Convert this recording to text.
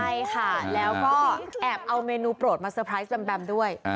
ใช่ค่ะแล้วก็แอบเอาเมนูโปรดมาเตอร์ไพรส์แบมด้วย